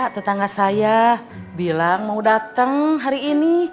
tetangga saya bilang mau datang hari ini